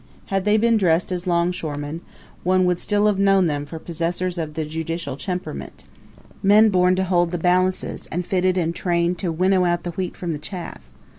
Had they been dressed as longshoremen, one would still have known them for possessors of the judicial temperament men born to hold the balances and fitted and trained to winnow out the wheat from the chaff.